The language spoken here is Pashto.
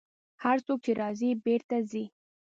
هر څوک چې راځي، بېرته ځي.